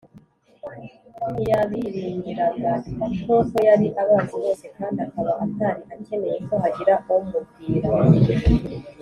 Ntiyabiringiraga n kuko yari abazi bose kandi akaba atari akeneye ko hagira umubwira